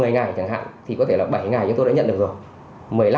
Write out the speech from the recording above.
một mươi ngày chẳng hạn thì có thể là bảy ngày chúng tôi đã nhận được rồi